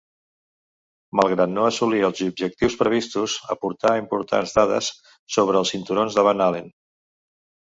Malgrat no assolir els objectius previstos, aportà importants dades sobre els cinturons de Van Allen.